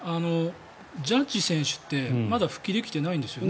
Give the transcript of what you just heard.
ジャッジ選手ってまだ復帰できてないんですよね。